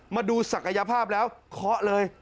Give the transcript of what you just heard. มาดูศักยภาพแล้วเคาะเลย